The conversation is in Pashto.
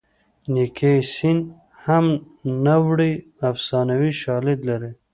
نیکي سین هم نه وړي افسانوي شالید لري